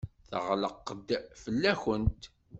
Teɣleq-d fell-akent.